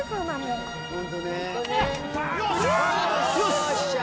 よし。